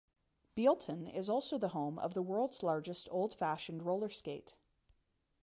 Bealeton is also the home of the world's largest old-fashioned roller skate.